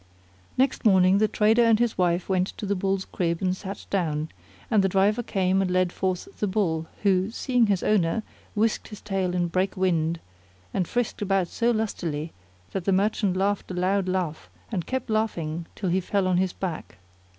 Next morning the trader and his wife went to the Bull's crib and sat down, and the driver came and led forth the Bull who, seeing his owner, whisked his tail and brake wind, and frisked about so lustily that the merchant laughed a loud laugh and kept laughing till he fell on his back.